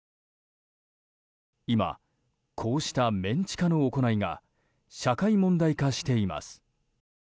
今、こうしたメン地下の行いが社会問題化しています。